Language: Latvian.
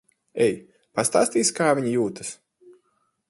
Ej. Pastāstīsi, kā viņa jūtas.